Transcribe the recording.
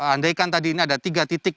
andaikan tadi ini ada tiga titik